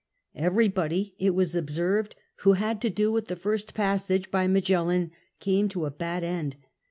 Everybody, it was observed, who had to do with the first passage by Magellan came to a bad end.